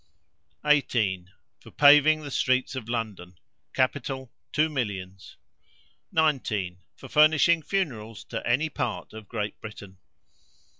18. For paving the streets of London. Capital, two millions. 19. For furnishing funerals to any part of Great Britain.